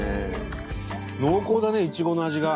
濃厚だねいちごの味が。